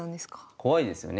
怖いですよね。